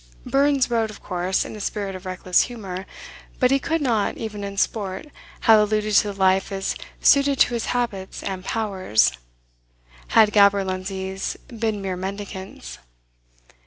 Burns wrote, of course, in a spirit of reckless humour; but he could not, even in sport, have alluded to the life as "suited to his habits and powers," had gaberlunzies been mere mendicants.